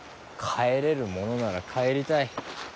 帰れるものなら帰りたい。